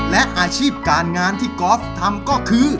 และอาชีพการงานที่กอล์ฟทำก็คือ